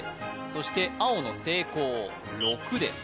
そして青の聖光６です